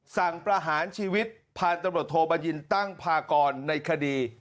ประหารชีวิตผ่านตำรวจโทบัญญินตั้งพากรในคดี